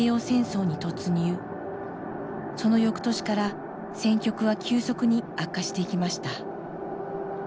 その翌年から戦局は急速に悪化していきました。